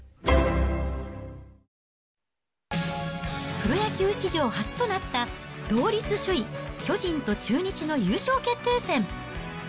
プロ野球史上初となった同率首位、巨人と中日の優勝決定戦。